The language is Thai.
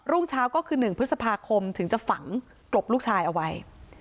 ่งเช้าก็คือ๑พฤษภาคมถึงจะฝังกลบลูกชายเอาไว้